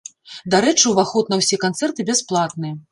Дарэчы, уваход на ўсе канцэрты бясплатны.